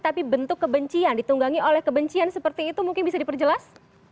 tapi bentuk kebencian ditunggangi oleh kebencian seperti itu mungkin bisa diperjelas